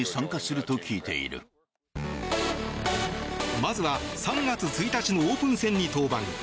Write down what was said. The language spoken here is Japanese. まずは３月１日のオープン戦に登板。